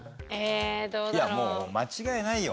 いやもう間違いないよ。